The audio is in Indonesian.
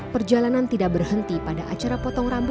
perjalanan tidak berhenti pada acara potongan bob